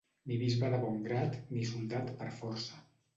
Ni bisbe de bon grat, ni soldat per força.